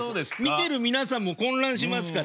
見てる皆さんも混乱しますからね。